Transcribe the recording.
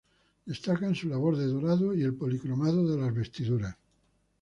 Destacan su labor de dorado y el policromado de las vestiduras.